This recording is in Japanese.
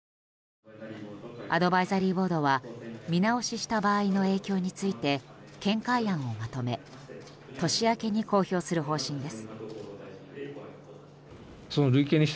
アドバイザリーボードは見直しした場合の影響について見解案をまとめ年明けに公表する方針です。